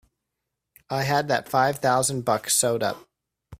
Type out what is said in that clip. I had that five thousand bucks sewed up!